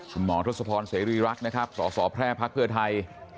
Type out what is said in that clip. กรุณหมอทศพรำสศรีริรัชนะครับศศแพร่พรรคเพื่อไทย